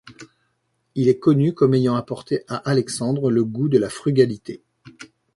Il est connu comme ayant apporté à Alexandre le goût de la frugalité.